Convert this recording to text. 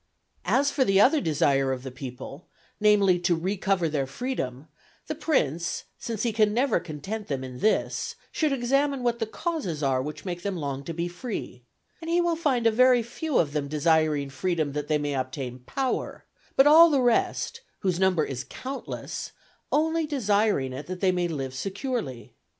As for the other desire of the people, namely, to recover their freedom, the prince, since he never can content them in this, should examine what the causes are which make them long to be free; and he will find a very few of them desiring freedom that they may obtain power, but all the rest, whose number is countless, only desiring it that they may live securely.